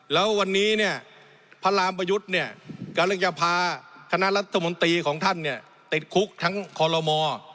แล้ววันนี้เนี่ยพระรามประยุทธ์เนี่ยกำลังจะพาคณะรัฐมนตรีของท่านเนี่ยติดคุกทั้งคอลโลมอร์